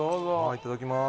いただきます。